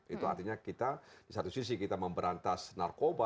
itu artinya kita di satu sisi kita memberantas narkoba